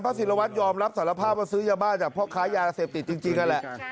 ศิลวัตรยอมรับสารภาพว่าซื้อยาบ้าจากพ่อค้ายาเสพติดจริงนั่นแหละ